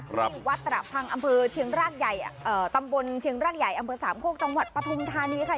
ที่วัดตระพังอำเภอเชียงรากใหญ่ตำบลเชียงร่างใหญ่อำเภอสามโคกจังหวัดปฐุมธานีค่ะ